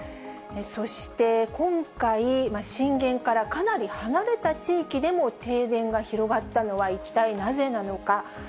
そして今回、震源からかなり離れた地域でも、停電が広がったのは一体なぜなのか。